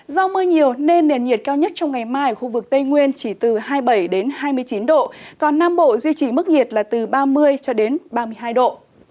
do mưa nhiều nên nền nhiệt cao nhất trong ngày mai ở khu vực tây nguyên chỉ từ hai mươi bảy hai mươi chín độ còn nam bộ duy trì mức nhiệt là từ ba mươi cho đến ba mươi hai độ